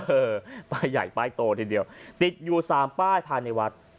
เออป้ายใหญ่ป้ายโตทีเดียวติดอยู่สามป้ายภายในวัด